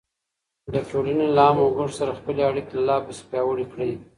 د ټولني له عامو وګړو سره خپلي اړيکې لا پسې پياوړې کړئ.